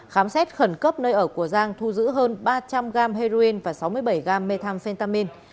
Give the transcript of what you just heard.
khám xét khẩn cấp nơi ở của giang thu giữ hơn ba trăm linh gram heroin và sáu mươi bảy gam methamphentamin